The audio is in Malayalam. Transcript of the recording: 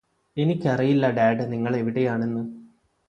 എനിക്കറിയില്ല ഡാഡ് നിങ്ങളെവിടെയാണെന്ന്